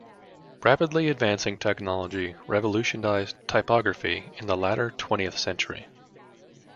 Rapidly advancing technology revolutionized typography in the latter twentieth century.